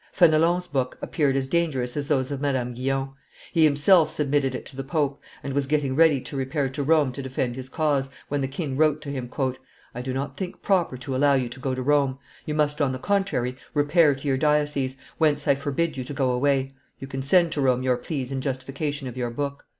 Fenelon's book appeared as dangerous as those of Madame Guyon; he himself submitted it to the pope, and was getting ready to repair to Rome to defend his cause, when the king wrote to him, "I do not think proper to allow you to go to Rome; you must, on the contrary, repair to your diocese, whence I forbid you to go away; you can send to Rome your pleas in justification of your book."